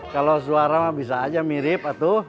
kalau suara mah bisa aja mirip